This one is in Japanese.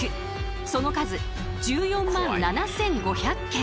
その数１４万７，５００件。